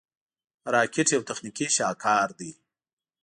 راکټ یو تخنیکي شاهکار دی